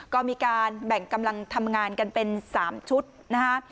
ก็มีการแบ่งกำลังทำงานกันเป็น๓ชุดนะคะ